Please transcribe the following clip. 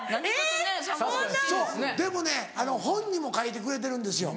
でもね本にも書いてくれてるんですよ。